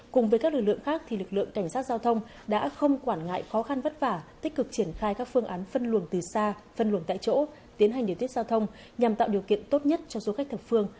cùng với các lực lượng khác lực lượng cảnh sát giao thông đã không quản ngại khó khăn vất vả tích cực triển khai các phương án phân luồng từ xa phân luận tại chỗ tiến hành điều tiết giao thông nhằm tạo điều kiện tốt nhất cho du khách thập phương